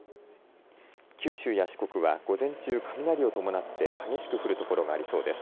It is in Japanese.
九州や四国は午前中雷を伴って激しく降る所がありそうです。